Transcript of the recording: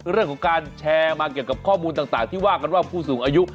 เรื่องของการแชร์มาเกี่ยวกับข้อมูลต่างที่ว่ากันว่าผู้สูงอายุ